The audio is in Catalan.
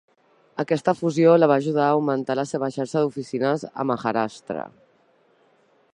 Aquesta fusió la va ajudar a augmentar la seva xarxa d'oficines a Maharashtra.